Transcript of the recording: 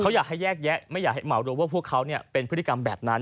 เขาอยากให้แยกแยะไม่อยากให้เหมารวมว่าพวกเขาเป็นพฤติกรรมแบบนั้น